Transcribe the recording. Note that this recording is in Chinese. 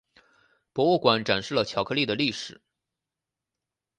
博物馆展示了巧克力的历史。